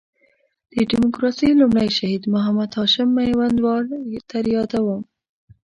د ډیموکراسۍ لومړی شهید محمد هاشم میوندوال در یادوم.